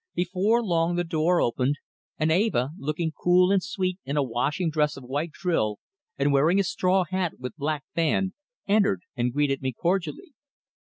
Before long the door opened, and Eva, looking cool and sweet in a washing dress of white drill, and wearing a straw hat with black band, entered and greeted me cordially.